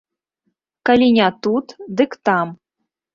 Калі не тут, дык там.